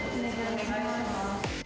お願いします